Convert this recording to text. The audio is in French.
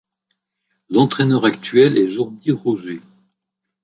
L'entraîneur actuel est Jordi Roger.